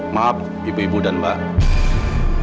maaf ibu ibu dan mbak